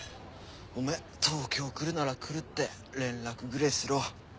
おめえ東京来るなら来るって連絡ぐれぇしろ。